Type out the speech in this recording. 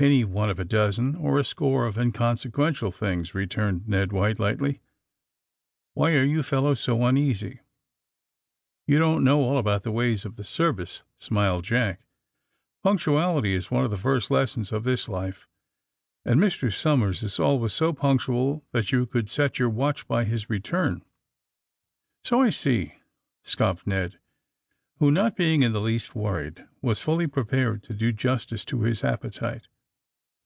^^Anyoneof a dozen or a score of inconse quential things," returned Ned White lightly. '^Why are you fellows so uneasy!'^ You don't know all about the ways of the service," smiled Jack. ^^Punctuality is one of the first lessons of this life. And Mr. Somers is always so punctual that you could set your watch by his return.^' *^So I see," scoffed Ned, who, not being in the least wortried, was fully prepared to do justice to his appetite.